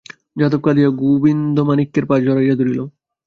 যাদব কাঁদিয়া গোবিন্দমাণিক্যের পা জড়াইয়া ধরিল।